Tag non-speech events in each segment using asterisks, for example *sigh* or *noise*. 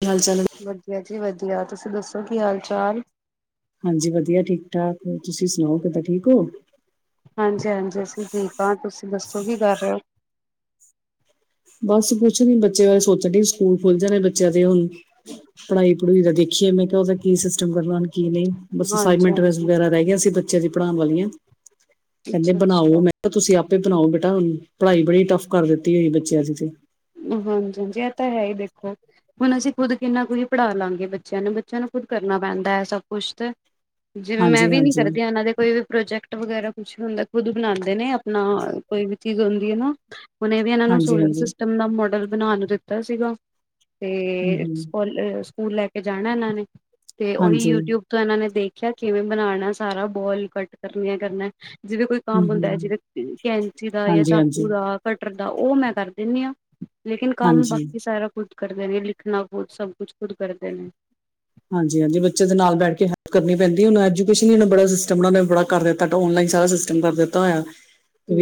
ਕੀ ਹਾਲ ਚਾਲ ਹੈ? ਵਧੀਆ ਜੀ ਵਧੀਆ ਤੁਸੀਂ ਦੱਸੋ ਕੀ ਹਾਲ ਚਾਲ ਹਾਂਜੀ ਵਧੀਆ ਠੀਕ ਠਾਕ ਤੁਸੀਂ ਸੁਣਾਓ ਕਿੱਦਾਂ ਠੀਕ ਹੋ ਹਾਂਜੀ ਹਾਂਜੀ ਅਸੀਂ ਠੀਕ ਹਾਂ ਤੁਸੀਂ ਦੱਸੋ ਕੀ ਕਰ ਰਹੇ ਹੋ ਬਸ ਕੁਛ ਨੀ ਬੱਚੇ ਬਾਰੇ ਸੋਚਣ ਡ ਸਕੂਲ ਖੁੱਲ ਜਾਣੇ ਬੱਚਿਆਂ ਦੇ ਹੁਣ ਪੜ੍ਹਾਈ ਪੜ੍ਹਈ ਦਾ ਦੇਖ ਮੈਂ ਉਹਦਾ ਕੀ ਸਿਸਟਮ ਕਰਨਾ ਕੀ ਨਹੀਂ ਬਸ ਹਾਂਜੀ ਅਸਾਇਨਮੈਂਟ ਹਾਂਜੀ ਵਗੈਰਾ ਰਹਿ ਗਿਆ ਸੀ ਬੱਚਿਆਂ ਦੀ ਪੜ੍ਹਾਉਣ ਵਾਲੀਆਂ ਕਹਿੰਦੇ ਅੱਛਾ ਬਣਾਓ ਅੱਛਾ ਮੈਂ ਕਿਹਾ ਤੁਸੀਂ ਆਪੇ ਬਣਾਓ ਬੇਟਾ ਪੜ੍ਹਾਈ ਬੜੀ ਟੱਫ ਕਰ ਦਿੱਤੀ ਹੋਈ ਬੱਚਿਆਂ ਦੀ ਤੇ ਹਾਂਜੀ- ਹਾਂਜੀ ਇਹ ਤਾਂ ਹੈ ਹੀ ਦੇਖੋ ਹੁਣ ਅਸੀਂ ਖੁੱਦ ਕਿੰਨਾ ਕੁ ਹੀ ਪੜ੍ਹਾ ਲਵਾਂਗੇ ਬੱਚਿਆਂ ਨੂੰ ਬੱਚਿਆਂ ਨੂੰ ਖੁਦ ਕਰਨਾ ਪੈਂਦਾ ਹੈ ਸਭ ਕੁੱਛ ਤੇ ਜਿਵੇਂ ਮੈਂ ਹਾਂਜੀ ਵੀ ਨੀ ਹਾਂਜੀ ਕਰਦੀ ਇਹਨਾਂ ਦੇ ਕੋਈ ਵੀ ਪ੍ਰੋਜੈਕਟ ਵਗੈਰਾ ਕੁਛ ਵੀ ਹੁੰਦਾ ਖੁਦ ਬਣਾਉਂਦੇ ਨੇ ਆਪਣਾ ਕੋਈ ਵੀ ਚੀਜ਼ ਹੁੰਦੀ ਨਾ ਹੁਨੇ ਵੀ ਇਹਨਾਂ ਨੂੰ ਹਾਂਜੀ ਸੋਲਰ ਹਾਂਜੀ ਸਿਸਟਮ ਮਾਡਲ ਬਣਾ ਨੂੰ ਦਿੱਤਾ ਸੀਗਾ ਹਮ ਤੇ ਹਮ ਸਕ ਸਕੂਲ ਲੈ ਕੇ ਜਾਣਾ ਇਹਨਾਂ ਨੇ ਤੇ ਉਹੀ ਹਾਂਜੀ ਯੂਟਿਊਬ ਤੋਂ ਇਹਨਾਂ ਨੇ ਦੇਖ ਆਖਿਆ ਕਿਵੇਂ ਬਣਾਉਣਾ ਸਾਰਾ ਬੋਲ ਕੱਟ ਕਰਨੀ ਆ ਕਰਨਾ ਜਿਵੇਂ ਕੋਈ ਹਮ ਕੰਮ ਹੁੰਦਾ ਹੈ ਹਮ ਜਿਵੇਂ ਕੈਂਚੀ ਦਾ ਜਾਂ ਹਾਂਜੀ ਚਾਕੂ ਹਾਂਜੀ ਦਾ ਕਟਰ ਦਾ ਉਹ ਮੈਂ ਕਰ ਦਿੰਦੀ ਹਾਂ ਲੇਕਿਨ ਕੰਮ ਹਾਂਜੀ ਬਾਕੀ ਸਾਰਾ ਕੁਝ ਕਰਦੇ ਨੇ ਲਿਖਣਾ ਖੁੱਦ ਸਭ ਕੁਛ ਕੁਦ ਕਰਦੇ ਨੇ ਹਾਂਜੀ ਹਾਂਜੀ ਬੱਚੇ ਦੇ ਨਾਲ ਬੈਠ ਕੇ ਹੈਲਪ ਕਰਨੀ ਪੈਂਦੀ ਹੁਣ ਐਜੂਕੇਸ਼ਨ ਬੜਾ ਸਿਸਟਮ ਬੜਾ ਕਰ ਦਿੱਤਾ ਸਾਰਾ ਸਿਸਟਮ ਕਰ ਦਿੱਤਾ ਹੋਇਆ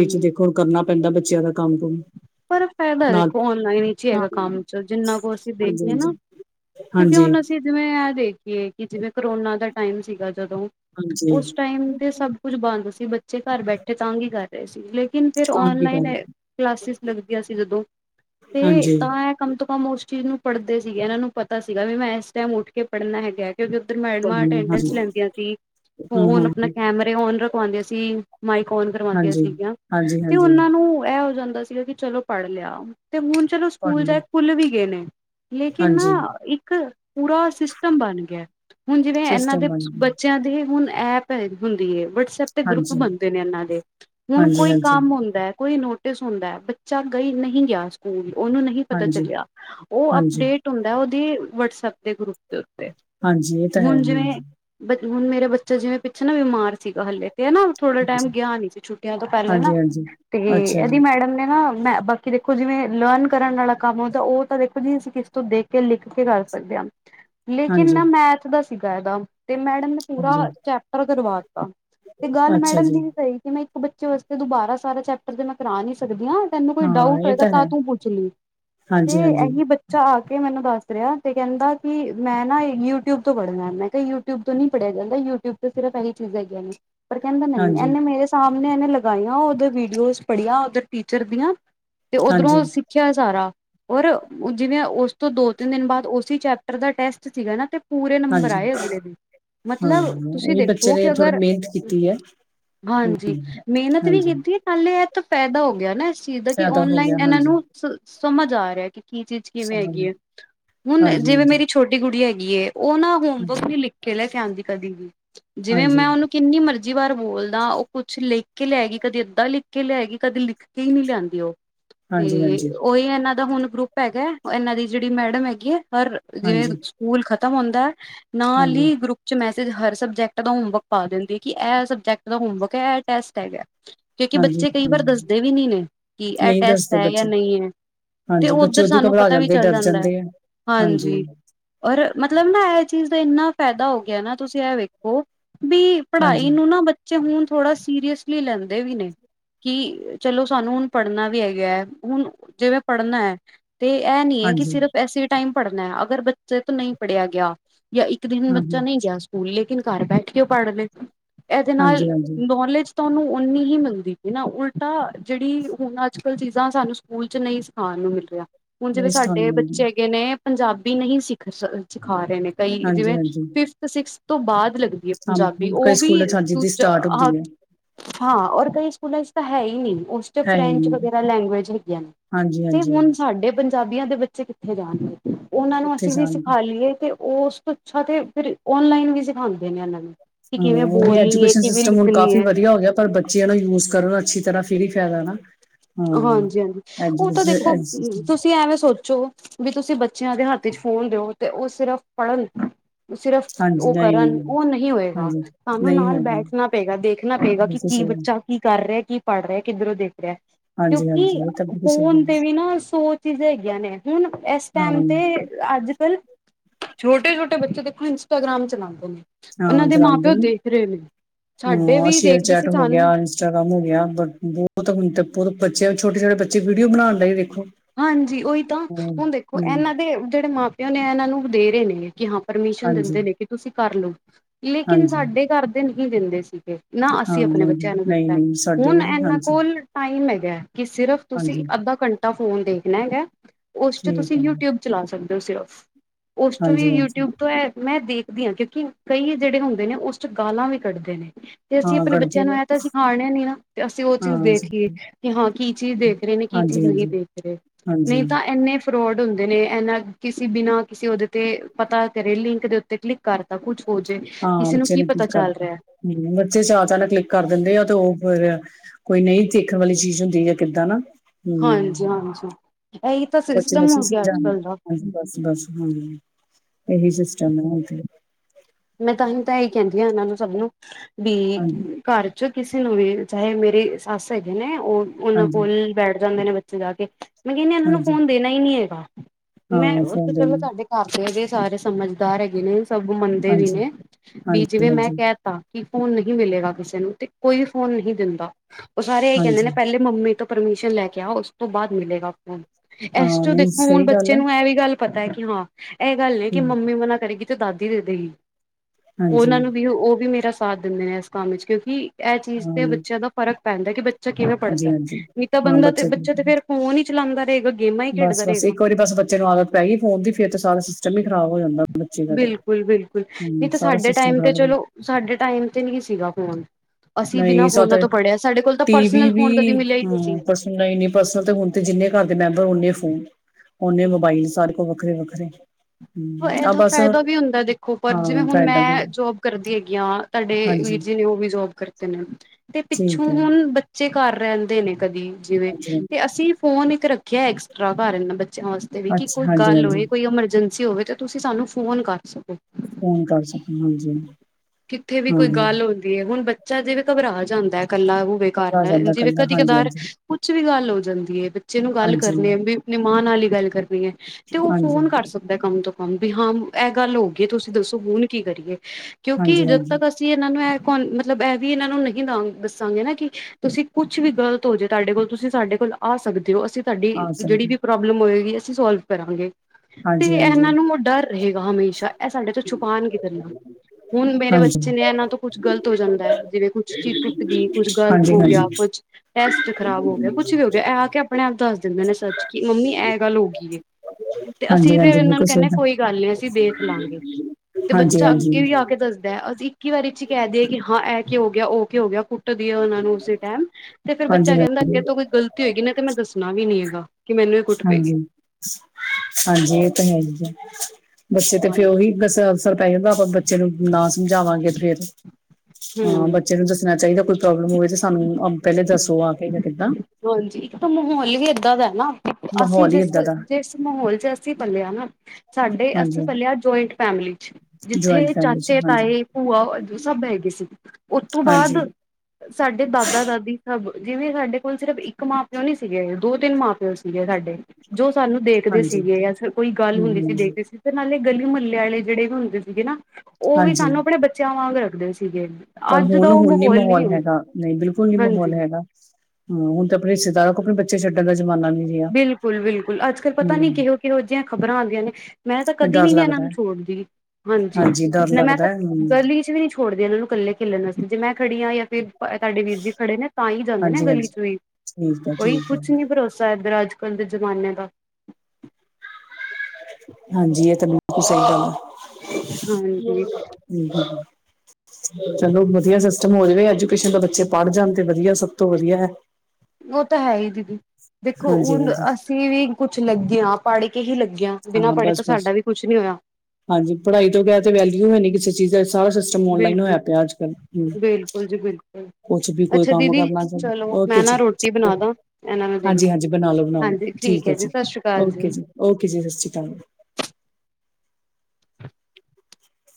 ਵਿੱਚ ਦੇਖੋ ਕਰਨਾ ਪੈਂਦਾ ਬੱਚਿਆਂ ਦਾ ਕੰਮ ਕੁਮ ਪਰ ਫਾਇਦਾ ਨਾਲ ਦੇਖੋ ਔਨਲਾਈਨ ਵਿਚ ਹੀ ਹਾਂ ਹੈਗਾ ਕੰਮ ਚ ਜਿੰਨਾ ਕੁ ਅਸੀਂ ਦੇਖੀਏ ਹਾਂਜੀ ਨਾ ਕਿਉਂਕਿ ਹਾਂਜੀ ਹੁਣ ਅਸੀਂ ਜਵੇਂ ਦੇਖੀਏ ਕਿ ਜਿਵੇਂ ਕਰੋਨਾ ਦਾ ਟਾਈਮ ਸੀਗਾ ਜਦੋਂ ਹਾਂਜੀ ਹਾਂਜੀ ਉਸ ਟਾਈਮ ਤੇ ਸਭ ਕੁਝ ਬੰਦ ਸੀ ਬੱਚੇ ਘਰ ਬੈਠੇ ਤੰਗ ਹੀ ਕਰ ਰਹੇ ਸੀ ਲੇਕਿਨ ਫੇਰ ਤਾਂ ਕੀ ਗੱਲ ਓਨਨਲਾਈਨ ਕਲਾਸਿਸ ਲੱਗਦੀਆਂ ਸੀ, ਜਦੋਂ ਤੇ ਹਾਂਜੀ ਤਾਂ ਇਹ ਕਮ ਤੋਂ ਕਮ ਉਸ ਚੀਜ਼ ਨੂੰ ਪੜ੍ਹਦੇ ਸੀਗੇ ਇਹਨਾਂ ਨੂੰ ਪਤਾ ਸੀਗਾ ਵੀ ਮੈਂ ਇਸ ਟਾਈਮ ਉੱਠ ਕੇ ਪੜ੍ਹਨਾ ਹੈਗਾ। ਕਿਉਂਕਿ ਉੱਧਰ ਮੈਡਮਾਂ ਪੜ੍ਹਨਾ ਹਾਂਜੀ ਅਟੈਂਡੈਂਸ ਲੈਂਦੀਆਂ ਸੀ, ਹਾਂ ਫੋਨ ਹਾਂ ਆਪਣਾ ਕੈਮਰੇ ਓਨ ਰਖਵਾਦੀਆਂ ਸੀ। ਮਾਈਕੋਨ ਕਰਵਾਦੀਆਂ ਹਾਂਜੀ ਸੀਗੀਆਂ, ਹਾਂਜੀ ਤੇ ਹਾਂਜੀ ਉਹਨਾਂ ਨੂੰ ਇਹ ਹੋ ਜਾਂਦਾ ਸੀਗਾ ਕਿ ਚਲੋ ਪੜ੍ਹ ਲਿਆ। ਤੇ ਹੁਣ ਚਲੋ ਪੜ੍ਹ ਸਕੂਲ ਲਓ ਜਾ ਭੁੱਲ ਵੀ ਗਏ ਨੇ, ਲੇਕਿਨ ਹਾਂਜੀ ਨਾ ਇੱਕ ਪੂਰਾ ਸਿਸਟਮ ਬਣ ਗਿਆ, ਹੁਣ ਜਿਵੇਂ ਇਹਨਾਂ ਸਿਸਟਮ ਦੇ ਬਣ ਗਿਆ ਬੱਚਿਆਂ ਹੁਣ ਐਪ ਹੁੰਦੀ ਹੈ। ਵਟਸਐਪ ਤੇ ਗਰੁੱਪ ਹਾਂਜੀ ਬਣਦੇ ਨੇ ਇਹਨਾਂ ਦੇ, ਹੁਣ ਹਾਂਜੀ ਕੋਈ ਹਾਂਜੀ ਕੰਮ ਹੁੰਦਾ ਹੈ ਕੋਈ ਨੋਟਿਸ ਹੁੰਦਾ। ਚ ਗਈ ਨਹੀਂ ਗਿਆ, ਸਕੂਲ ਉਹਨੂੰ ਨਹੀਂ ਪਤਾ ਹਾਂਜੀ ਚੱਲਿਆ ਉਹ ਹਾਂਜੀ ਅਪਡੇਟ ਹੁੰਦਾ ਉਹਦੀ ਵਟਸਐਪ ਦੇ ਗਰੁੱਪ ਦੇ ਉੱਤੇ ਹਾਂਜੀ ਇਹ ਤਾਂ ਹੈ ਹੁਣ ਜਿਵੇਂ, ਹੀ। ਹੁਣ ਮੇਰਾ ਬੱਚਾ ਜਿਵੇਂ, ਪਿੱਛੇ ਨਾ ਬਿਮਾਰ ਸੀਗਾ ਹਲੇ। ਤੇ ਹਨ ਨਾ ਥੋੜਾ ਟਾਈਮ ਹਾਂਜੀ ਗਿਆ ਨੀ ਸੀ, ਛੁੱਟੀਆਂ ਤੋਂ ਪਹਿਲੇ ਹਾਂਜੀ ਨਾ ਹਾਂਜੀ ਤੇ ਅੱਛਾ ਇਹਦੀ ਜੀ ਮੈਡਮ ਨੇ ਨਾ ਮੈਂ ਬਾਕੀ ਦੇਖੋ ਜਿਵੇਂ, ਲਰਨ ਕਰਨ ਵਾਲਾ ਕੰਮ ਹੁੰਦਾ ਉਹ ਤਾਂ ਦੇਖੋ ਜੀ ਅਸੀਂ ਕਿਸ ਤੋਂ ਦੇਖ ਕੇ ਲਿਖ ਕੇ ਕਰ ਸਕਦੇ ਹਾਂ। ਲੇਕਿਨ ਹਾਂਜੀ ਨਾ ਮੈਥ ਦਾ ਸੀਗਾ, ਇਹਦਾ ਤੇ ਮੈਡਮ ਨੇ ਪੂਰਾ ਹਾਂਜੀ ਚੈਪਟਰ ਕਰਵਾ। ਤੇ ਗੱਲ ਅੱਛਾ ਮੈਡਮ ਜੀ ਦੀ ਸਹੀ ਕਿ ਮੈਂ, ਬੱਚੇ ਵਾਸਤੇ ਦਬਾਰਾ ਸਾਰ ਚੈਪਟਰ ਤੇ ਮੈਂ ਕਰਾ ਨੀ ਸਕਦੀ ਹਾਂ। ਤੈਨੂੰ ਕੋਈ ਹਾਂ ਡਾਊਟ ਇਹ ਹੋਏਗਾ, ਹੈ ਤਾਂ ਤੂੰ ਪੁੱਛ ਲ ਹਾਂਜੀ ਤੇ ਹਾਂਜੀ ਇਹੀ ਬੱਚਾ ਆ। ਮੈਨੂੰ ਦੱਸ ਰਿਹਾ ਤੇ ਕਹਿੰਦਾ, ਕਿ ਮੈਂ ਨਾ ਯੂਟਿਊਬ ਤੋਂ ਪੜ੍ਹਨਾ ਮੈਂ ਕਿਹਾ ਯੂਟਿਊਬ ਤੋਂ ਨੀ ਪੜ੍ਹਿਆ ਕਹਿੰਦਾ। ਯੂਟਿਊਬ ਤੇ ਸਿਰਫ ਇਹੀ ਚੀਜ਼ ਹੈਗੀਆਂ ਨੇ, ਪਰ ਕਹਿੰਦਾ ਨਹੀਂ ਹਾਂਜੀ ਇਹਨੇ ਮੇਰੇ ਸਾਹਮਣੇ ਇਹਨੇ ਲਗਾਈਆਂ, ਉਧਰ ਵੀਡੀਓਜ਼ ਪੜ੍ਹੀਆਂ ਉਧਰ ਟੀਚਰ ਦੀਆਂ। ਤੇ ਹਾਂਜੀ ਉੱਧਰੋਂ ਸਿੱਖਿਆ ਸਾਰਾ, ਔਰ ਜਿਵੇਂ ਉਸ ਤੋਂ ਦੋ ਤਿੰਨ ਦਿਨ ਬਾਅਦ ਉਸ ਚੈਪਟਰ ਦਾ ਟੈਸਟ ਸੀਗਾ ਨਾ। ਪੂਰੇ ਨੰਬਰ ਹਾਂਜੀ ਆਏ ਅਗਲੇ ਦੀ ਹਾਂ ਮਤਲਬ, ਤੁਸੀਂ ਉਹੀ ਬੱਚੇ ਦੇਖੋ ਨੇ ਕਿ ਥੋੜੀ ਅਗਰ ਮਿਹਨਤ ਕੀਤੀ ਹੈ ਹਾਂਜੀ, ਮਿਹਨਤ ਵੀ ਹਾਂਜੀ ਕੀਤੀ ਨਾਲੇ, ਤਾਂ ਪੈਦਾ ਹੋ ਗਿਆ, ਨਾ ਇਸ ਚੀਜ਼ ਦਾ ਕਿ ਜ਼ਿਆਦਾ ਹੋ ਗਿਆ ਔਨਲਾਈਨ ਇਹਨਾਂ ਹਾਂਜੀ ਨੂੰ ਸਮਝ ਆ ਰਿਹਾ ਕਿ ਕੀ ਚੀਜ਼ ਕਿਵੇਂ ਸਮਝ ਗਈ। ਹੈਗੀ ਹੈ, ਹੁਣ ਹਾਂਜੀ ਜਿਵੇਂ ਹਾਂਜੀ ਮੇਰੀ ਛੋਟੀ ਗੁੜੀਆ ਹੈਗੀ ਐ। ਉਹ ਨਾ ਹੋਮਵਰਕ ਹਾਂਜੀ ਨੀ ਲਿਖੇ ਲੈ ਕੇ ਆਂਦੀ ਕਦੀ ਵੀ, ਜਿਵੇਂ ਹਾਂਜੀ ਮੈਂ ਉਹਨੂੰ ਕਿੰਨੀ ਮਰਜ਼ੀ ਵਾਰ ਬੋਲਦਾ, ਉਹ ਕੁੱਛ ਲਿ ਲਿਖ ਕੇ ਲੈ ਗਈ, ਕਦੇ ਅੱਧਾਂ ਲਿਖ ਕੇ ਲੈ ਗਈ, ਕਦੇ ਲਿਖ ਕੇ ਹੀ ਨੀ ਲਿਆਂਦੀ ਉਹ ਹਾਂਜੀ ਤੇ ਉਹੀ ਇਹਨਾਂ ਦਾ ਹੁਣ ਗਰੁੱਪ ਹੈਗਾ, ਇਹਨਾਂ ਦੀ ਜਿਹੜੀ ਮੈਡਮ ਹੈਗੀ ਹੈ ਹਰ ਜਿਵੇਂ ਹਾਂਜੀ ਸਕੂਲ ਖਤਮ ਹੁੰਦਾ। ਹਾਂਜੀ ਨਾਲੀ ਗਰੁੱਪ ਚ ਮੈ ਹਰ ਸਬਜੈਕਟ ਦਾ ਹੋਮਵਰਕ ਪਾ ਦਿੰਦੇ ਹੈ, ਕਿ ਇਹ ਸਬਜੈਕਟ ਦਾ ਹੋਮਵਰਕ ਹੈ ਇਹ ਟੈਸਟ ਹੈਗਾ। ਕਿਉਂਕਿ ਹਾਂਜੀ ਹਾਂਜੀ ਬੱਚੇ ਕਈ ਵਾਰ ਹਾਂ, ਦੱਸਦੇ ਵੀ ਨੀ ਨੇ ਕਿ ਇਹ ਨਹੀਂ ਟੈਸਟ ਦੱਸਦੇ ਹੈ, ਜਾਂ ਬੱਚੇ ਨਹੀਂ ਹੈ। ਤੇ ਹਾਂਜੀ ਬੱਚੇ ਉੱਧਰ ਉਹਦੀ ਸਾਨੂੰ ਘਬਰਾ ਪਤਾ ਵੀ ਜਾਂਦੇ ਚੱਲ ਡਰ ਜਾਂਦਾ, ਜਾਂਦੇ ਆ ਹਾਂਜੀ। ਔਰ ਮਤਲਬ ਨਾ ਆ ਚੀ ਇੰਨਾ ਫਾਇਦਾ ਹੋ ਗਿਆ, ਨਾ ਤੁਸੀਂ ਇਹ ਵੇਖੋ ਵੀ ਹਾਂਜੀ ਪੜ੍ਹਾਈ ਨੂੰ ਨਾ ਬੱਚੇ ਹੁਣ ਥੋੜਾ ਸੀਰੀਅਸਲੀ ਲੈਂਦੇ ਵੀ ਨੇ ਕਿ, ਚਲੋ ਸਾਨੂੰ ਹੁਣ ਪੜ੍ਹਨਾ ਵੀ ਹੈਗਾ, ਹੈ ਹੁਣ ਜਿਵੇਂ ਪੜ੍ਹਨਾ ਹੈ। ਤੇ ਇਹ ਨੀ ਐ, ਕਿ ਹਾਂਜੀ ਸਿਰਫ ਐੇ ਟਾਈਮ ਪੜ੍ਹਨਾ ਹੈ ਅਗਰ ਬੱਚੇ ਤੋਂ ਨਹੀਂ ਪੜ੍ਹਿਆ ਗਿਆ। ਜਾਂ ਇੱਕ ਦਿਨ ਹਾਂ ਹਾਂ ਬੱਚਾ ਨਹੀਂ ਗਿਆ, ਸਕੂਲ ਲੇਕਿਨ ਘਰ ਬੈਠ ਕੇ ਉਹ ਪੜ੍ਹ ਲਏ। ਇਹਦੇ ਨਾਲ ਹਾਂਜੀ ਹਾਂਜੀ ਨੌਲੇਜ ਤੁਹਾਨੂੰ ਉਨੀ ਹੀ ਮਿਲਦੀ ਸੀ, ਨਾ ਉਲਟਾ ਜਿਹੜੀ ਹੁਣ ਅੱਜ-ਕੱਲ ਚੀਜ਼ਾਂ ਸਾਨੂੰ ਸਕੂਲ ਚ ਨਹੀਂ ਸਿਖਾਣ ਨੂੰ ਮਿਲ ਰਿਹਾ। ਹੁਣ ਨਹੀਂ ਜਿਵੇਂ ਸਿਖਾਉਣੀ ਸਾਡੇ ਪੈਂਦੀ ਬੱਚੇ ਹੈਗੇ, ਨੇ ਪੰਜਾਬੀ ਨਹੀਂ ਸਿਖ ਸਿਖਾ ਰਹੇ ਨੇ ਕਈ ਹਾਂਜੀ ਜਿਵੇਂ ਹਾਂਜੀ ਫਿਫਥ ਸਿਕਸਥ ਤੋਂ ਬਾਅਦ ਲ ਦੀ ਹਾਂ ਪੰਜਾਬੀ ਕਈ ਉਹ ਵੀ ਸਕੂਲਾਂ ਚ ਹਾਂਜੀ ਦੂ ਦੀ ਸਟਾਰਟ ਹੁੰਦੀ ਹੈ ਹਾਂ ਔਰ ਕਈ ਸਕੂਲ ਇਸ ਤਾਂ ਹੈ ਹੀ ਨਹੀਂ, ਉਸ ਚ ਹੈ ਹੀ ਫਰੈਂਚ ਨਹੀਂ ਵਗੈਰਾ ਲੈਂਗੁਏਜ ਹੈਗੀਆਂ, ਨੇ ਤੇ ਹਾਂਜੀ-ਹਾਂਜੀ ਹੁਣ ਸਾਡੇ ਪ ਪੰਜਾਬੀਆਂ ਦੇ ਬੱਚੇ ਕਿੱਥੇ ਜਾਣਗੇ, ਉਹਨਾਂ ਨੂੰ ਉੱਥੇ ਅਸੀਂ ਵੀ ਜਾਣਗੇ ਸਿਖਾ ਲਈਏ ਤੇ ਉਹ ਉਸ ਤੋਂ ਅੱਛਾ ਤੇ ਫਿਰ ਔਨਲਾਈਨ ਵੀ ਸਿਖਾਦੇ ਨੇ ਇਹਨਾਂ ਨੂੰ ਕਿ ਹਾਂ ਕਿਵੇਂ ਇਹ ਵੀ ਬੋਲਣੀ ਹੈ ਐਜੂਕੇਸ਼ਨ ਕਿਵੇਂ ਸਿਸਟਮ ਹੁਣ ਲਿਖਣੀ ਕਾਫੀ ਹੈ ਵਧੀਆ ਹੋ ਗਿਆ ਪਰ ਬੱਚਿਆਂ ਨੂੰ ਯੂਜ ਕਰਨ ਅੱਛੀ ਤਰ੍ਹਾਂ। ਫਿਰ ਹੀ ਫ਼ਾਇਦਾ ਨਾ। ਹਾਂ ਹਾਂਜੀ ਹਾਂਜੀ ਉਹ ਤਾਂ ਐਜੂਕੇਸ਼ਨ ਦੇਖੋ ਐਜੂ ਸਿਸਟਮ ਤੁਸੀਂ ਐਵੇਂ ਸੋਚੋ ਵੀ ਤੁਸੀਂ ਬ। ਬੱਚਿਆਂ ਦੇ ਹੱਥ ਚ ਫੋਨ ਦਿਓ ਤੇ ਉਹ ਸਿਰਫ ਪੜ੍ਹਨ। ਸਿਰਫ ਹਾਂਜੀ ਉਹ ਕਰਨ ਨਹੀਂ-ਨਹੀਂ ਉਹ ਨਹੀਂ ਹੋਏਗਾ ਹਾਂਜੀ ਸਾਨੂੰ ਨਹੀਂ ਨਾਲ ਹੋਏਗਾ ਬੈਠਣਾ ਪਏਗਾ ਦੇਖਣਾ ਪਏਗਾ ਕਿ ਬਿਲਕੁਲ ਕੀ। ਸਹੀ ਗੱਲ ਬੱਚਾ ਕੀ ਕਰ ਰਿਹਾ ਕੀ ਪੜ੍ਹ ਰਿਹਾ ਕਿੱਧਰੋਂ ਦੇਖ ਰਿਹਾ। ਕਿਉਕਿ ਹਾਂਜੀ-ਹਾਂਜੀ ਇਹ ਤਾਂ ਬਿਲਕੁਲ ਸਹੀ ਫੋਨ ਗੱਲ ਤੇ ਵੀ ਨਾ ਸੋਚ। ਚੀਜ਼ਾਂ ਹੈਗੀਆਂ ਨੇ ਹੁਣ ਇਸ ਟਾਈਮ ਤੇ ਹਾਂ-ਹਾਂ ਅੱਜ ਕੱਲ। ਛੋਟੇ ਛੋਟੇ ਬੱਚੇ ਦੇਖੋ ਇੰਸਟਾਗ੍ਰਾਮ ਚਲਾਉਂਦੇ ਨੇ ਉਹਨਾਂ ਦੇ ਮਾਂ ਚਲਾਂਦੇ ਪਿਓ ਨੇ ਦੇਖ ਰਹੇ ਨੇ। ਸਾਡੇ ਹਾਂ ਵੀ ਸ਼ੇਅਰ ਦੇਖਦੇ ਚੈਟ ਸੀ ਹੋ ਸਾਨੂੰ ਗਿਆ, ਇੰਸਟਾਗ੍ਰਾਮ ਹੋ ਗਿਆ ਬ ਬਹੁਤ ਹੁਣ ਬਹੁਤ। ਛੋਟੇ ਛੋਟੇ ਬੱਚੇ ਵੀਡੀਓ ਬਣਾਉਣ ਲਈ। ਹਾਂਜੀ ਉਹੀ ਤਾਂ ਹੁਣ ਦੇਖੋ ਇਹਨਾਂ ਦੇ ਜਿਹੜੇ ਮਾਂ ਪਿਓ ਨੇ ਇਹਨਾਂ ਨੂੰ ਦੇ ਰਹੇ ਨੇ ਕਿ ਹਾਂ। ਪਰਮਿਸ਼ਨ ਦਿੰਦੇ ਨੇ ਕਿ ਤੁਸੀਂ ਕਰ ਲਓ ਲੇਕਿਨ ਹਾਂਜੀ-ਹਾਂਜੀ ਸਾਡੇ ਘਰ ਦੇ ਨਹੀਂ ਦਿੰਦੇ ਸੀਗੇ। ਨਾ ਹਾਂ ਅਸੀਂ ਆਪਣੇ ਬੱਚਿਆਂ ਨੂੰ ਦਿੱਤਾ ਨਹੀਂ-ਨਹੀਂ ਸਾਡੇ ਹੁਣ ਵੀ ਇਹਨਾਂ ਕੋਲ ਹਾਂਜੀ-ਹਾਂਜੀ ਟਾਈਮ ਹੈ। ਕਿ ਸਿਰਫ ਤੁਸੀਂ ਅੱਧਾ ਘੰਟਾ ਫੋਨ ਦੇਖਣਾ ਹੈਗਾ ਉਸ ਚ ਠੀਕ ਤੁਸੀਂ ਹੈ, ਯੂਟਿਊਬ ਚਲਾ ਸਕਦੇ ਹੋ। ਸਿਰਫ ਉਸ ਤੋਂ ਵੀ ਹਾਂਜੀ-ਹਾਂਜੀ, ਯੂਟਿਊਬ ਤੋਂ ਹੈ ਮੈਂ ਦੇਖ। ਕਿਉਂਕਿ ਕਈ ਜਿਹੜੇ ਹੁੰਦੇ ਨੇ ਉਸ ਚ ਗਾਲਾਂ ਵੀ ਕੱਢਦੇ ਨੇ। ਤੇ ਅਸੀਂ ਹਾਂ ਆਪਣੇ ਗੜਦੇ ਬੱਚਿਆਂ ਨੂੰ ਨੇ ਐਂ ਤਾਂ ਅਸੀਂ ਸਿਖਾਉਣਾ ਨਾ ਤੇ ਅਸੀਂ ਉਹ ਹਾਂ, ਚੀਜ਼ ਦੇਖੀਏ ਕਿ ਹਾਂ ਕੀ ਚੀਜ਼ ਦੇਖ ਰਹੇ। ਕੀ ਚੀਜ਼ ਨਹੀਂ ਹਾਂਜੀ-ਹਾਂਜੀ। ਦੇਖ ਰਹੇ ਹਾਂਜੀ, ਨਹੀਂ ਹਾਂਜੀ ਤਾਂ ਇੰਨੇ ਫਰੋਡ ਹੁੰਦੇ ਨੇ ਇਨਾ ਕਿਸੇ ਬਿਨਾਂ ਕਿਸੇ ਉਹਦੇ। ਤੇ ਪਤਾ ਕਰੇ ਲਿੰਕ ਦੇ ਉੱਤੇ ਕਲਿੱਕ ਕਰਤਾ ਕੁੱਛ। ਹਾਂ ਬੱਚੇ ਨੇ ਕਲਿੱਕ ਕਰ ਹਮ ਬੱਚੇ ਚਾ ਚਾਰ ਨਾਲ ਕਲਿੱਕ ਕਰ ਦਿੰਦੇ ਆ ਤੇ ਉਹ ਫਿਰ। ਕੋਈ ਨਹੀਂ ਦੇਖਣ ਵਾਲੀ ਚੀਜ਼ ਹੁੰਦੀ ਕਿੱਦਾਂ ਨਾ। ਹੂੰ। ਹਾਂਜੀ-ਹਾਂਜੀ, ਬੱਚੇ ਨੂੰ ਅਸੀਂ ਸਮਝਾਉਣਾ ਹਾਂਜੀ ਬਸ ਬਸ ਹਾਂ। ਇਹੀ ਸਿਸਟਮ ਹੈ। ਮੈਂ ਤਾਂਹੀ ਤਾਂ ਇਹੀ ਕਹਿੰਦੀ ਹਾਂ ਉਹਨਾਂ ਨੂੰ ਸਭ ਨੂੰ ਵੀ ਹਾਂਜੀ, ਘਰ। ਕਿਸੇ ਨੂੰ ਵੀ ਚਾਹੇ ਮੇਰੀ ਸੱਸ ਹੈਗੇ ਨੇ ਉਹ ਉਹਨਾਂ ਹਾਂਜੀ, ਕੋਲ ਬੈਠ ਜਾਂਦੇ ਨੇ। ਜਾ ਕੇ ਮੈਂ ਕਹਿੰਦੀ ਇਹਨਾਂ ਨੂੰ ਹਾਂਜੀ ਫੋਨ ਦੇਣਾ ਹੀ ਨੀ ਹੈਗਾ ਮੈਂ ਹਾਂ ਉੱਥੇ ਫੋਨ ਚਲੋ ਦੇਣੇ, ਤੁਹਾਡੇ ਘਰ ਤੇ ਆਜੇ। ਸਾਰੇ ਸਮਝਦਾਰ ਹੈਗੇ ਨੇ ਸਭ ਮੰਨਦੇ ਵੀ ਹਾਂਜੀ। ਨੇ ਵੀ ਜਿਵੇਂ ਮੈਂ ਹਾਂਜੀ-ਹਾਂਜੀ, ਕਹਿ ਤਾ ਕਿ। ਫੋਨ ਨਹੀਂ ਮਿਲੇਗਾ ਕਿਸੇ ਨੂੰ ਤੇ ਕੋਈ ਫੋਨ ਨਹੀਂ ਦਿੰਦਾ ਉਹ ਸਾਰੇ ਇਹੀ ਕਹਿੰਦੇ ਨੇ ਹਾਂਜੀ ਹਾਂਜੀ ਪਹਿਲੇ ਮੰਮੀ ਤੋਂ। ਪਰਮਿਸ਼ਨ ਲੈ ਕੇ ਆ ਉਸ ਤੋਂ ਬਾਅਦ ਮਿਲੇਗਾ ਫੋਨ ਇਸ ਹਾਂ ਚੋਂ ਨਹੀਂ ਦੇਖੋ ਹੁਣ ਸਹੀ ਗੱਲ ਬੱਚੇ ਆ, ਨੂੰ ਇਹ ਵੀ ਗੱਲ। ਪਤਾ ਹੈ ਕਿ ਹਾਂ ਇਹ ਗੱਲ ਨਹੀਂ ਕਿ ਹੂੰ ਮੰਮੀ ਮਨਾ ਕਰੇਗੀ ਤੇ ਦਾਦੀ ਦੇ ਦੇਗੀ। ਹਾਂਜੀ, ਉਹਨਾਂ ਨੂੰ ਵੀ ਉਹ ਵੀ ਮੇਰਾ ਸਾਥ ਦਿੰਦੇ ਨੇ ਇਸ ਕੰਮ ਵਿੱਚ ਕਿਉਂਕਿ। ਇਹ ਚੀਜ਼ ਤੇ ਹਾਂ, ਬੱਚਿਆਂ ਦਾ ਫਰਕ ਪੈਂਦਾ ਕਿ ਬੱਚਾ ਕਿਵੇਂ ਪੜ੍ਹਦਾ ਹਾਂਜੀ-ਹਾਂਜੀ। ਨਹੀਂ ਤਾਂ ਹਾਂ ਬੰਦਾ ਤੇ ਬੱਚਾ ਤੇ ਬੱਚੇ ਫਿਰ ਫੋਨ ਹੀ। ਚਲਾਉਂਦਾ ਰਹੇਗਾ। ਗੇਮਾਂ ਹੀ ਬਸ ਖੇਡਦਾ ਬਸ ਰਹੇਗਾ ਇੱਕ ਵਾਰੀ ਬਸ ਬੱਚੇ ਨੂੰ ਆਦਤ ਪੈ ਗਈ ਫੋਨ ਦੀ ਫੇਰ ਤੇ ਸਾਰਾ ਸਿਸਟਮ ਵੀ ਖਰਾਬ ਹੋ ਜਾਂਦਾ। ਬੱਚੇ ਦਾ ਤੇ ਬਿਲਕੁਲ ਬਿਲਕਲ ਨਹੀਂ ਹੂੰ ਤਾਂ ਸਾਰਾ ਸਾਡੇ ਸਿਸਟਮ ਟਾਈਮ ਤੇ ਖ਼ਰਾਬ ਹੋ ਚਲੋ ਸਾਡੇ ਟਾਈਮ ਤੇ ਨਹੀਂ ਸੀਗਾ ਫੋਨ। ਅਸੀਂ ਨਹੀਂ ਬਿਨਾਂ ਇਸ ਫੋਨਾਂ ਤੋਂ ਪੜ੍ਹਿਆ ਸਾਡੇ ਕੋਲ ਤਾਂ ਟੀ ਵੀ ਪਰਸਨਲ ਵੀ ਫੋਨ ਕਦੇ ਮਿਲਿਆ ਹੀ ਨਹੀਂ ਸੀ ਹਾਂ ਪਰਸਨਲ ਪਰਸਨਲ ਤੇ ਹੁਣ ਤੇ ਜਿੰ। ਜਿੰਨੇ ਘਰ ਦੇ ਮੈਂਬਰ ਓਨੇ ਫੋਨ ਓਨੇ ਮੋਬਾਈਲ ਸਾਰੇ ਕੋਲ ਵੱਖਰੇ ਵੱਖਰੇ। ਹੂੰ ਆ ਇਹਦਾ ਬਸ ਹਾਂ ਫਾਇਦਾ ਵੀ ਹੁੰਦਾ ਦੇਖੋ ਪਰ ਜਿਵੇਂ ਹੁਣ ਫਾਇਦਾ ਵੀ ਮੈਂ ਹੈ ਜੋਬ ਕਰਦੀ ਹੈਗੀ ਹਾਂ। ਸਾਡੇ ਵੀਰ ਹਾਂਜੀ ਜੀ ਨੇ ਉਹ ਵੀ ਜੋਬ ਕਰਤੇ ਨੇ ਤੇ ਠੀਕ ਪਿੱਛੋਂ ਹੈ ਹੁਣ ਬੱਚੇ ਘਰ ਰਹਿੰਦੇ ਨੇ। ਕਦੀ ਜਿਵੇਂ ਹਾਂਜੀ ਤੇ ਅਸੀਂ ਫੋਨ ਇੱਕ ਰੱਖਿਆ ਐਕਸਟਰਾ ਘਰਨਾ ਬੇ। ਬੱਚਿਆਂ ਵਾਸਤੇ ਕਿ ਅੱਛਾ ਕੋਈ ਹਾਂਜੀ ਗੱਲ ਹਾਂਜੀ ਹੋਵੇ ਕੋਈ ਐਮਰਜੈਂਸੀ ਹੋਵੇ ਤਾਂ ਤੁਸੀਂ ਸਾਨੂੰ ਫੋਨ ਕਰ ਸਕੋ। ਫੋਨ ਕਰ ਸਕਣ ਹਾਂਜੀ ਕਿੱਥੇ ਵੀ ਕੋਈ ਹਾਂ ਗੱਲ ਹੁੰਦੀ ਹੈ ਹੁਣ ਬ। ਅੱਛਾ ਜੀ ਵੀ ਘਬਰਾ ਜਾਂਦਾ ਇਕੱਲਾ ਹੋਵੇ ਆ ਕਰਨਾ ਜਾਂਦਾ ਜਿਵੇਂ ਇਕੱਲਾ ਕਦੀ ਹਾਂਜੀ ਕਦਾਰ ਹਾਂਜੀ ਕੁਛ ਵੀ ਗੱਲ। ਹੋ ਜਾਂਦੀ ਹੈ ਬੱਚੇ ਨੂੰ ਗੱਲ ਹਾਂਜੀ ਕਰਨੀ ਹੈ ਵੀ ਆਪਣੀ ਮਾਂ ਨਾਲ ਹੀ ਗੱਲ ਕਰਨੀ ਹੈ। ਤੇ ਉਹ ਹਾਂਜੀ ਫੋਨ ਕਰ ਸਕਦਾ ਕੰਮ ਤੋਂ ਕੰਮ ਵੀ ਹਾਂ ਇਹ ਗੱਲ ਹੋ ਗਈ ਤੁਸੀਂ ਦੱਸੋ ਹੁਣ ਕੀ ਕਰੀਏ। ਕਿਉਂਕਿ ਹਾਂਜੀ ਜਦ ਹਾਂਜੀ ਤੱਕ ਅਸੀਂ ਇਹਨਾਂ ਨੂੰ। ਮਤਲਬ ਇਹ ਵੀ ਇਹਨਾਂ ਨੂੰ ਨਹੀਂ ਦੱਸਾਂਗੇ ਨਾ ਕਿ ਤੁਸੀਂ ਕੁੱਛ ਵੀ ਗ਼ਲਤ ਹੋ ਜਾਏ ਤੁਹਾਡੇ ਕੋਲ ਤੁਸੀਂ ਸਾਡੇ। ਲ ਆ ਸਕਦੇ ਹੋ ਅਸੀਂ ਤੁਹਾਡੀ ਆ ਜਿਹੜੀ ਸਕਦਾ ਵੀ ਪ੍ਰੋਬਲਮ ਹੋਏਗੀ ਅਸੀਂ ਸੋਲਵ ਕਰਾਂਗੇ। ਹਾਂਜੀ ਹਾਂਜੀ। ਓ ਡਰ ਰਹੇਗਾ ਹਮੇਸ਼ਾ ਇਹ ਸਾਡੇ ਤੋਂ ਛੁਪਾਨ ਕਿਧਰ ਨਾਲ। ਹੁਣ ਮੇਰੇ ਹਾਂਜੀ ਬੱਚੇ ਨੇ ਇਹਨਾਂ ਤੋਂ ਕੁੱਛ ਗ਼ਲਤ ਓ ਜਾਂਦਾ ਐ, ਜਿਵੇਂ ਕੁਛ ਚੀਜ਼ ਟੁੱਟ ਗੀ, ਕੁੱਝ ਗ਼ਲਤ ਹਾਂਜੀ ਹੋ ਹਾਂਜੀ ਗਿਆ ਕੁੱਝ। ਟੈਸਟ ਖ਼ਰਾਬ ਹੋ ਗਿਆ ਕੁੱਝ ਵੀ ਹੋ ਗਿਆ, ਇਹ ਆ ਕੇ ਆਪਣੇ ਆਪ ਦੱਸ ਦਿੰਦੇ ਨੇ ਸੱਚ ਕਿ ਮੰਮੀ ਇਹ ਗੱਲ ਹੋ ਗੀ ਏ। ਤੇ ਅ ਜੀ ਹਾਂਜੀ ਬਿਲਕੁਲ ਸਈ ਨਾ। ਕੋਈ ਗੱਲ ਨਈ ਅਸੀਂ ਦੇਖ ਲਾਂਗੇ ਤੇ ਹਾਂਜੀ ਬੱਚਾ ਹਾਂਜੀ ਅੱਗੇ ਵੀ ਆ ਕੇ ਦੱਸਦਾ ਐ ਅਸੀਂ ਇੱਕੀ ਵਾਰੀ ਜੀ ਕਹਿ ਦਏ ਕਿ ਹਾਂ ਇਹ ਕਿ ਹੋ ਗਿਆ ਉਹ ਕੀ ਹੋ ਗਿਆ ਕੁ ਵਦੀਆ ਉਹਨਾਂ ਨੂੰ ਉਸੇ ਟਾਈਮ ਤੇ ਫਿਰ ਬੱਚਾ ਹਾਂਜੀ ਕਹਿੰਦਾ ਅੱਗੇ ਤੋਂ ਕੋਈ ਗਲਤੀ ਹੋਏਗੀ ਨਾ ਤੇ ਮੈਂ ਦੱਸਣਾ ਵੀ ਨੀ ਹੈਗਾ। ਕਿ ਮੈਨੂੰ ਹੀ ਕੁੱਟ ਪਏਗੀ ਹਾਂਜੀ, ਹਾਂਜੀ, ਇਹ ਤਾਂ ਹੈ ਹੀ ਹੈਗਾ ਬੱਚੇ ਤੇ ਫਿਰ ਹਾਂਜੀ ਉਹੀ ਦ ਅਵਸਰ ਪੈ ਜਾਂਦਾ ਅਪਾਂ ਬੱਚੇ ਨੂੰ ਨਾ ਸਮਝਾਵਾਂਗੇ ਫੇਰ। ਹਾਂ ਹਮ ਬੱਚੇ ਨੂੰ ਦੱਸਣਾ ਚਾਈਦਾ, ਕੋਈ ਪ੍ਰੋਬਲਮ ਹੋਵੇ ਤਾਂ ਸਾਨੂੰ ਅ ਪਹਿਲੇ ਦੱਸੋ ਆ ਕੇ ਜਾਂ ਕਿੱਦਾਂ। ਹਾਂਜੀ, ਇੱਕ ਤਾਂ ਮਾਹੌਲ ਵੀ ਏਦਾਂ ਦਾ ਏ ਨਾ। ਅਸੀਂ ਮਾਹੌਲ ਹੀ ਜਿਸ ਏਦਾਂ ਦਾ ਜਿਸ ਮਾਹੌਲ ਚ ਅਸੀਂ ਪੱਲੇ ਆਨਾ ਸਾਡੇ ਅਸੀਂ ਹਾਂਜੀ ਪੱਲੇ ਆ ਜੁਆਇੰਟ ਫੈਮਿਲੀ ਜੁਆਇੰਟ ਜਿੱਥੇ ਫੈਮਿਲੀ ਚ ਚਾਚੇ, ਹਾਂਜੀ ਤਾਏ, ਭੂਆ ਸਭ ਹੈਗੇ ਸੀ। ਉਤ ਤੋਂ ਹਾਂਜੀ ਬਾਅਦ ਸਾਡੇ ਦਾਦਾ-ਦਾਦੀ ਸਬ ਜਿਵੇਂ ਸਾਡੇ ਹੁਣ ਸਿਰਫ ਇੱਕ ਮਾਂ-ਪਿਓ ਨ ਸੀਗੇ ਦੋ- ਤਿੰਨ ਮਾਂ ਸੀਗੇ ਸਾਡੇ, ਜੋ ਸਾਨੂੰ ਦੇਖਦੇ ਹਾਂਜੀ ਸੀਗੇ *unintelligible* ਕੋਈ ਗੱਲ ਹਮ ਹੁੰਦੀ ਸੀ ਹਮ ਦੇਖਦੇ ਸੀਦੇ ਨਾਲੇ। ਗਲੀ ਮਹੱਲੇ ਆਲੇ ਜਿਹੜੇ ਵੀ ਹੁੰਦੇ ਸੀਗੇ ਨਾ ਉਹ ਵੀ ਹਾਂਜੀ ਸਾਨੂੰ ਆਪਣੇ ਬੱਚਿਆਂ ਵਾਂਗ ਰੱਖਦੇ ਸੀ। ਪਰ ਹੁਣ ਹੁਣ ਨੀ ਮਾਹੌਲ ਹੈਗਾ, ਨਈ ਬਿਲਕੁਲ ਨੀ ਮਾਹੌਲ ਹਾਂਜੀ ਹੈਗਾ। ਹੁਣ ਤਾਂ ਅਪਣੇ ਰਿਸ਼ਤੇਦਾਰ ਕੋ ਅਪਣੇ ਬੱਚੇ ਛੱਡਣ ਦਾ ਜ਼ਮਾਨਾ ਨੀ ਰਿਹਾ ਬਿਲਕੁਲ-ਬਿਲਕੁਲ, ਅੱਜ ਕੱਲ ਪਤਾ ਨੀ ਹਮ ਕਿਹੋ-ਕਿਹੋ ਜਿਆ ਖ਼ਬਰਾਂ ਆਂਦੀਆਂ ਨੇ, ਮੈਂ ਤਾਂ ਕਦੀ ਡਰ ਵੀ ਨੀ ਇਹਨਾਂ ਲੱਗਦਾ ਨੂੰ ਹੈ ਛੋੜ ਹਾਂਜੀ, ਡਰ ਨਾ ਮੈਂ ਲੱਗਦਾ ਤਾਂ ਹੈ ਹਮ ਗਲੀ ਚ ਵੀ ਨੀ ਛੋੜਦੀ ਇਹਨਾਂ ਨੂੰ ਕੱਲੇ। ਖੇਲਣਾ ਸੀ, ਜੇ ਮੈਂ ਖੜੀ ਆ ਯਾ ਫਿਰ ਤਾਡੇ ਵੀਰ ਜੀ ਖੜੇ ਨੇ ਤਾਂ ਹੀ ਜਾਂਦੇ ਨੇ ਹਾਂਜੀ ਗਲੀ ਚ ਹਾਂਜੀ ਵੀ, ਠੀਕ ਹੈ ਕੋਈ ਠੀਕ ਹੈ ਕੁਛ ਨੀ ਭਰੋ ਸਾ ਇਧਰ ਅੱਜ ਕੱਲ ਦੇ ਜ਼ਮਾਨੇ ਦਾ । ਹਾਂਜੀ ਇਹ ਤਾਂ ਬਿਲਕੁਲ ਸਹੀ ਹਾਂਜੀ *unintelligible* ਚਲੋ ਵਦੀਆ ਸਿਸਟਮ ਹੋ ਜਵੇ ਐਜੂਕੇਸ਼ਨ ਤੋਂ ਬੱਚੇ ਪੜ੍ਹ ਜਾਣ ਤੇ ਵਦੀਆ ਸਭ ਤੋਂ ਵਦੀਆ ਹੈ। ਉਹ ਤਾਂ ਹੈ ਹੀ ਦੀਦੀ ਦੇਖੋ ਹਾਂਜੀ ਹੁਣ ਹਾਂਜੀ ਅਸੀਂ ਵੀ ਕੁੱਛ ਲੱਗਿਆ ਬਿਨਾ ਹਾਂ ਪੜ੍ਹੇ ਬਸ ਤਾਂ ਬਸ ਸਾਡਾ ਵੀ ਕੁਛ ਨੀ ਹੋਇਆ। ਹਾਂਜੀ ਪੜ੍ਹਾਈ ਤੋਂ ਬਗੈਰ ਤੇ ਵੈਲਿਊ ਹੈ ਨੀ ਕਿਸੇ ਚੀਜ਼ ਦਾ ਸਾਰਾ ਸਿਸਟਮ ਓਨਲਾਈਨ ਹੋਇਆ ਪਿਆ ਅੱਜ ਕੱਲ ਹੂੰ। ਬਿਲਕੁਲ-ਬਿਲਕੁਲ ਜੀ ਬਿਲਕੁਲ ਕੁਛ ਵੀ ਕੋਈ ਅੱਛਾ ਕੰਮ ਦੀਦੀ ਕਰਨਾ ਚਾਏ, ਚਲੋ ਓਕੇ ਮੈਂ ਨਾ ਜੀ ਰੋਟੀ ਬਣਾ ਦਾ ਇਹਨਾਂ ਨੂੰ ਦੇਣੀ ਆ ਹਾਂਜੀ-ਹਾਂਜੀ, ਬਣਾਲੋ- ਬਣਾਲੋ। ਹਾਂਜੀ ਠੀਕ ਹੈ ਐ ਜੀ, ਸਤਿ ਸ਼੍ਰੀ ਅਕਾਲ ਓਕੇ ਜੀ ਓਕੇ ਜੀ ਸਸ ਸੀ੍ ਕਾਲ।